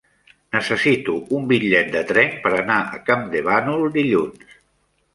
Necessito un bitllet de tren per anar a Campdevànol dilluns.